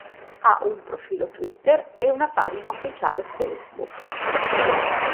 Ha un profilo twitter e una pagina ufficiale Facebook.